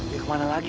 ya kemana lagi